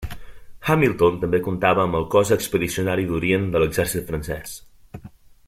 Hamilton també comptava amb el Cos Expedicionari d'Orient de l'exèrcit francès.